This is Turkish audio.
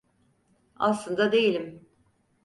Aslında değilim.